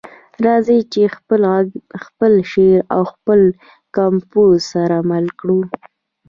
راځئ چې خپل غږ، خپل شعر او خپل کمپوز سره مل کړو.